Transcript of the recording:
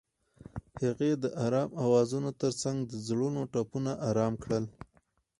هغې د آرام اوازونو ترڅنګ د زړونو ټپونه آرام کړل.